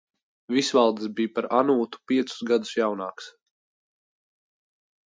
Visvaldis bija par Anūtu piecus gadus jaunāks.